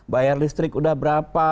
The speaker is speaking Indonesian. bayar listrik udah berapa